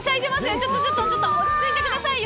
ちょっとちょっと、落ち着いてくださいよ。